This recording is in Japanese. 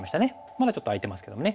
まだちょっと空いてますけどもね。